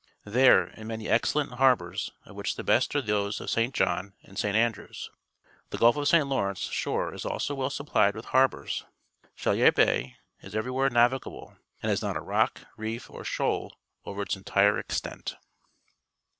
There and many excellent harbours, of which the best are those of Sai tit John and <S^ Andrews. The Gulf of St. Lawrence "shore is also well supphed with harbours. Chaleur Bay is e\'er}^vheie navigable and has not a rock, reef, or shoal over its entire extent.